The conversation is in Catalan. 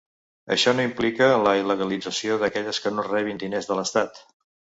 Això no implica la il·legalització d’aquelles que no rebin diners de l’estat.